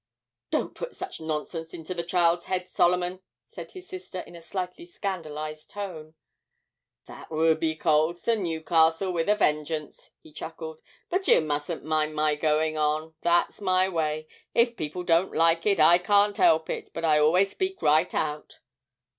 'Don't put such nonsense into the child's head, Solomon,' said his sister, in a slightly scandalised tone. 'That would be coals to Newcastle with a vengeance,' he chuckled; 'but you mustn't mind my going on that's my way; if people don't like it I can't help it, but I always speak right out.'